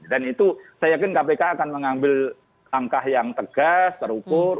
dan itu saya yakin kpk akan mengambil langkah yang tegas terukur